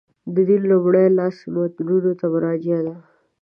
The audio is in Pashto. د دین لومړي لاس متنونو ته مراجعه ده.